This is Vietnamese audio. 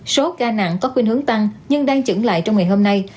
số ca nặng có khuyến hướng tăng nhưng đang chững lại trong ngày hôm nay